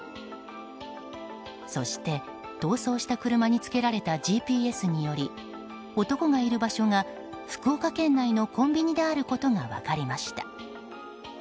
そして、逃走した車につけられたＧＰＳにより男がいる場所が福岡県内のコンビニであることが分かりました。